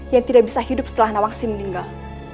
yang tidak bisa hidup setelah nawaksi meninggal